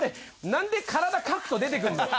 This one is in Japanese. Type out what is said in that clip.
なんで体かくと出てくんだよ。